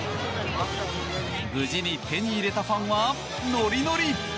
無事に手に入れたファンはノリノリ。